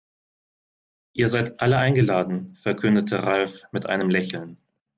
"Ihr seid alle eingeladen", verkündete Ralf mit einem Lächeln.